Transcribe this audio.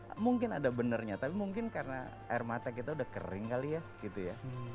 ya mungkin ada benarnya tapi mungkin karena air mata kita udah kering kali ya gitu ya